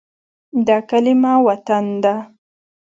دا کلمه “وطن” ده.